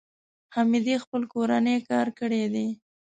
حمیدې خپل کورنی کار کړی دی.